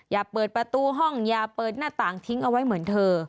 อย่าเปิดประตูห้องอย่าเปิดหน้าต่างทิ้งเอาไว้เหมือนเธอ